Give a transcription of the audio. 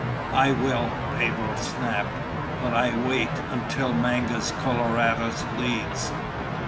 "I will!" Pedro snapped. "But I wait until Mangus Coloradus leads!"